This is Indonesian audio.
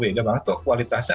banyak banget tuh kualitasnya